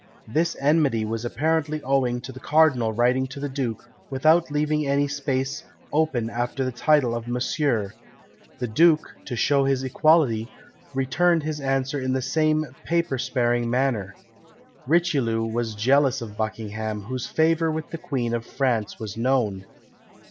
This enmity was apparently owing to the cardinal writing to the duke without leaving any space open after the title of Monsieur; the duke, to show his equality, returned his answer in the same "paper sparing" manner. Richelieu was jealous of Buckingham, whose favour with the Queen of France was known.